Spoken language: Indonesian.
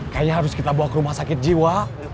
kayaknya harus kita bawa ke rumah sakit jiwa